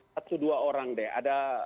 satu dua orang deh ada